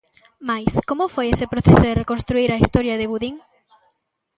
Mais, como foi ese proceso de reconstruír a historia de Gudín?